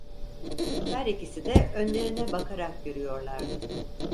Her ikisi de önlerine bakarak yürüyorlardı.